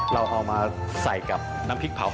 เราเอามาใส่กับน้ำพริกเผา